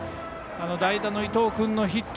代打の伊藤君のヒット